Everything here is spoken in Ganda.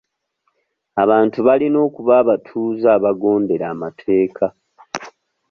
Abantu balina okuba abatuuze abagondera amateeka.